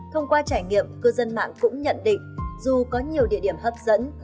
thông qua trải nghiệm cư dân mạng cũng nhận định dù có nhiều địa điểm hấp dẫn